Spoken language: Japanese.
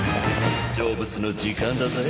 成仏の時間だぜ！